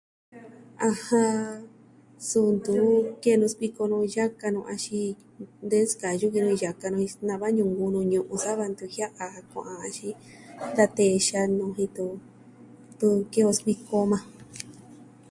Ajan, suu ntu ke'en nu sikuiko nu yaka nu axin de nsikayu ki nu yaka nu, xina'va ñunkuun nu ñu'un sa va ntu jia'an jan kua'an, axin, da tee xanu, jitu, jen ntu ke'en on sikuiko o majan.